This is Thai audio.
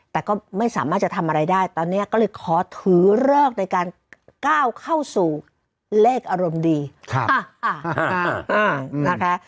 แต่ก็ไม่สามารถจะทำอะไรได้ตอนนี้ก็เลยขอถือเลิกในการก้าวเข้าสู่เลขอารมณ์ดีนะคะ